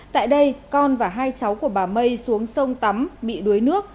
tại đây con và hai cháu của bà mây xuống sông tắm bị đuối nước